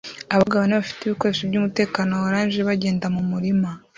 Abagabo bane bafite ibikoresho byumutekano wa orange bagenda mumurima